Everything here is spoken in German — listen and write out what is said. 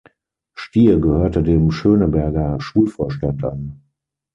Stier gehörte dem Schöneberger Schulvorstand an.